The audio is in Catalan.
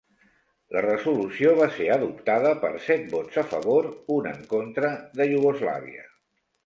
La resolució va ser adoptada per set vots a favor, un en contra de Iugoslàvia.